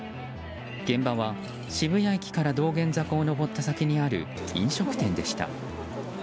現場は渋谷駅から道玄坂を上った先にある飲食店でした。